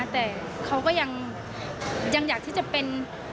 แต่เขาก็ยังอยากที่จะเป็น